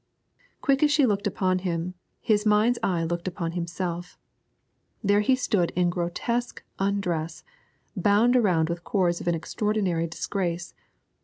Quick as she looked upon him, his mind's eye looked upon himself; there he stood in grotesque undress, bound around with the cords of an extraordinary disgrace.